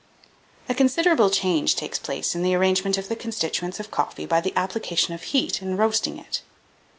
1803. A considerable change takes place in the arrangement of the constituents of coffee by the application of heat in roasting it.